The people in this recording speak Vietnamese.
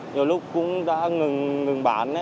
nhiều lúc cũng đã ngừng bán